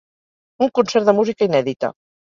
Un concert de música inèdita.